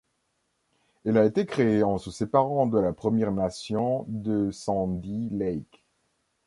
Elle a été créée en se séparant de la Première Nation de Sandy Lake.